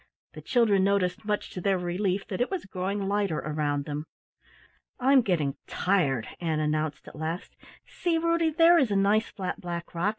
The children noticed, much to their relief, that it was growing lighter around them. "I'm getting tired," Ann announced at last. "See, Ruddy, there is a nice flat black rock.